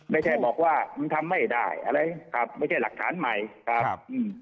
ไม่ใช่บอกว่ามันทำไม่ได้อะไรครับไม่ใช่หลักฐานใหม่ครับอืม